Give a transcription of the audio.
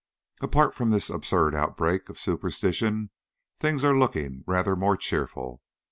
Apart from this absurd outbreak of superstition, things are looking rather more cheerful.